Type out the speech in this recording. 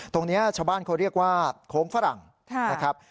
ตรงนี้ชาวบ้านเขาเรียกว่าโค้งฝรั่งนะครับ